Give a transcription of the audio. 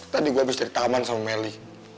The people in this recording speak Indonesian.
tadi gue habis dari taman sama melly